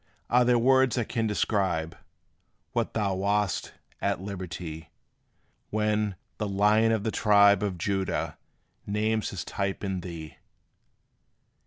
Are there words that can describe What thou wast, at liberty, When "The Lion of the tribe Of Judah" names his type in thee?